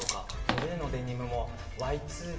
ブルーのデニムもＹ２